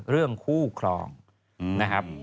เรื่องคู่ครองนะครับ